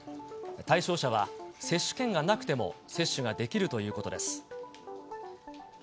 対象者は接種券がなくても、接種ができるということです。